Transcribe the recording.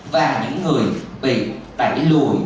và những người bị bảy lùi